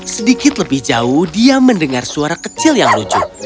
sedikit lebih jauh dia mendengar suara kecil yang lucu